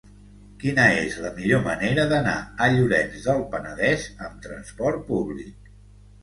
Quina és la millor manera d'anar a Llorenç del Penedès amb trasport públic?